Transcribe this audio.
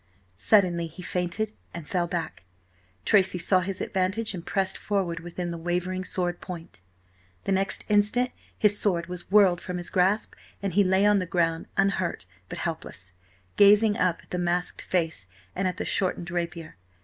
Suddenly he feinted, and fell back. Tracy saw his advantage and pressed forward within the wavering sword point. The next instant his sword was whirled from his grasp, and he lay on the ground, unhurt but helpless, gazing up at the masked face and at the shortened rapier.